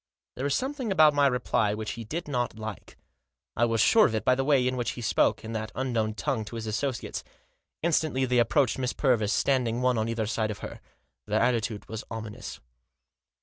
There was something about my reply which he did not like. I was sure of it by the way in which he spoke, in that unknown tongue, to his associates. Instantly they approached Miss Purvis, standing one on either side of her. Their attitude was ominous.